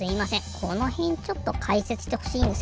このへんちょっとかいせつしてほしいんですけど。